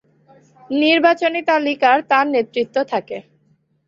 নির্বাচনী তালিকার তার নেতৃত্ব থাকে।